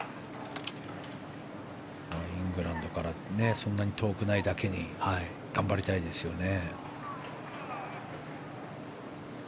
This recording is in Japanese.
イングランドからそんなに遠くないだけに頑張りたいですよね。